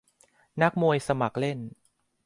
นักมวยสมัครเล่น